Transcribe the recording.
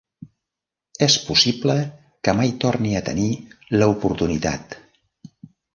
És possible que mai torni a tenir l'oportunitat.